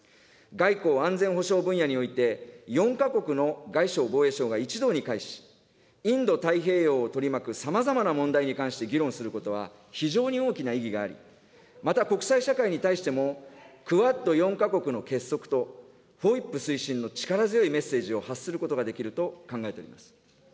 外交・安全保障分野において、４か国の外相・防衛相が一同に会し、インド太平洋を取り巻くさまざまな問題に関して議論することは、非常に大きな意義があり、また国際社会に対しても、ＱＵＡＤ４か国の結束と、ＦＯＩＰ推進の力強いメッセージを発することができると考えております。